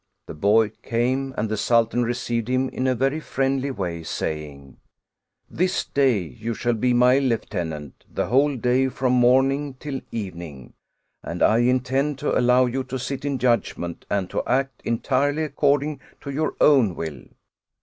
The boy came and the Sultan received him in a very friendly way, say ing: "This day you shall be my Lieutenant the whole day from morning till evening, and I intend to allow you to sit in judgment and to act entirely according to your own will."